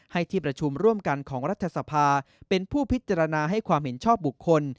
ที่ประชุมร่วมกันของรัฐสภาเป็นผู้พิจารณาให้ความเห็นชอบบุคคล